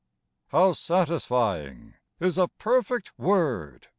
OW satisfying is a perfect word